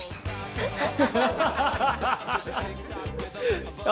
ハハハハ！